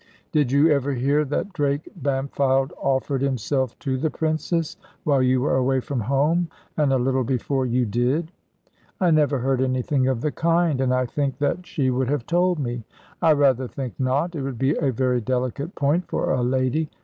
"Did you ever hear that Drake Bampfylde offered himself to the Princess, while you were away from home, and a little before you did?" "I never heard anything of the kind. And I think that she would have told me." "I rather think not. It would be a very delicate point for a lady.